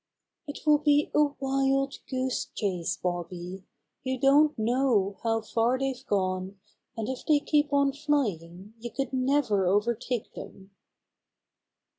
"It will be a wild goose chase, Bobby. You don't know how far they've gone, and if they keep on flying you could never overtake them."